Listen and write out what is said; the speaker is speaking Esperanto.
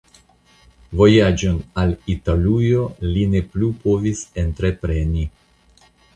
Vojaĝon al Italujo li ne plu povis entrepreni.